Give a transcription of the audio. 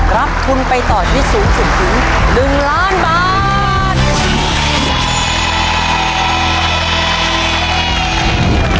รับทุนไปต่อชีวิตสูงสุดถึง๑ล้านบาท